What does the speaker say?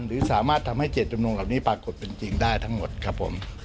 หรือสามารถทำให้เจตจำนงเหล่านี้ปรากฏเป็นจริงได้ทั้งหมดครับผม